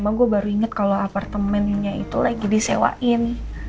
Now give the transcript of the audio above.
cuma gue baru inget kalo apartemennya itu lagi disewain